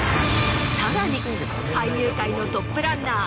さらに俳優界のトップランナー。